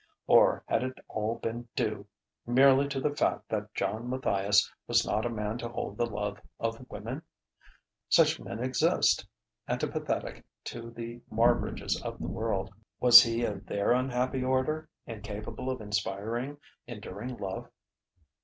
Or had it all been due merely to the fact that John Matthias was not a man to hold the love of women? Such men exist, antipathetic to the Marbridges of the world. Was he of their unhappy order, incapable of inspiring enduring love?